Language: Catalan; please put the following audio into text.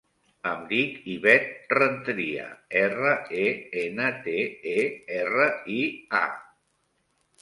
Em dic Ivet Renteria: erra, e, ena, te, e, erra, i, a.